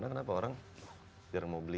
karena kenapa orang jarang mau beli